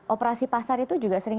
operasi pasar itu juga sering